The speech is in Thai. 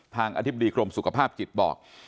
อธิบดีกรมสุขภาพจิตบอก